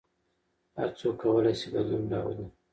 هر څوک کولای شي بدلون راولي.